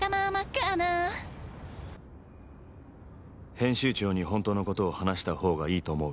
「編集長に本当のことを話した方がいいと思う」